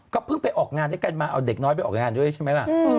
เพิ่งไปออกงานด้วยกันมาเอาเด็กน้อยไปออกงานด้วยใช่ไหมล่ะ